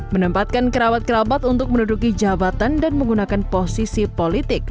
menempatkan kerawat kerawat untuk menuduki jabatan dan menggunakan posisi politik